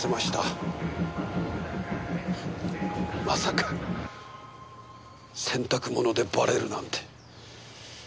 まさか洗濯物でばれるなんて。